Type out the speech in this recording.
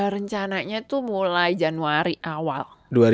rencananya itu mulai januari awal